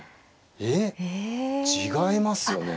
ええ違いますよね。